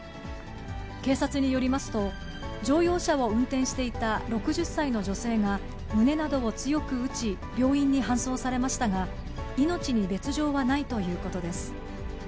警察によりますと、乗用車を運転していた６０歳の女性が、胸などを強く打ち、病院に搬送されましたが、命に別状はないということです。